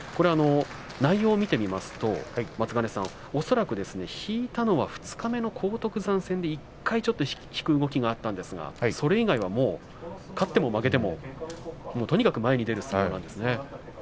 内容を見てみますと、恐らく引いたのは二日目の荒篤山戦で１回引く動きがあったんですがそれ以外は勝っても負けてもとにかく前に出る相撲なんですね。